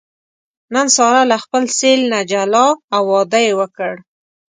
نن ساره له خپل سېل نه جلا او واده یې وکړ.